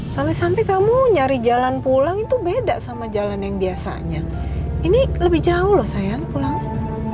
sampai kamu nyari jalan pulang itu beda sama jalan yang biasanya ini lebih jauh loh saya pulangnya